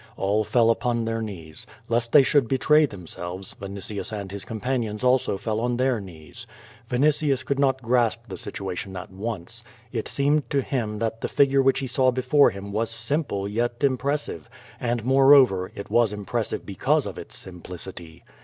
All fell upon their knees. Lest they should betray themselves, Vinitius and his compan ions also fell on their knees. Vinitius could not grasp the situation at once. It seemed to him that the figure which he saw before him was simple yet impressive, and, moreover, it was impressive because of its simplicity.